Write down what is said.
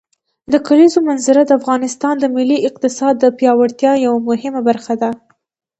د کلیزو منظره د افغانستان د ملي اقتصاد د پیاوړتیا یوه مهمه برخه ده.